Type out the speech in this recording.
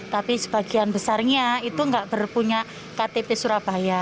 tapi sebagian besarnya itu tidak berpunya ktp surabaya